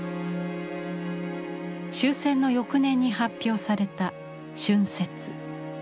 終戦の翌年に発表された「春雪」。